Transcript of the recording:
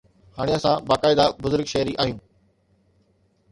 هاڻي اسان باقاعده بزرگ شهري آهيون.